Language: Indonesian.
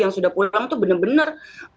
yang sudah pulang itu benar benar